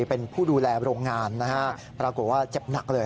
เป็นผู้ดูแลโรงงานนะฮะปรากฏว่าเจ็บหนักเลย